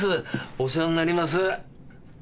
お世話になります。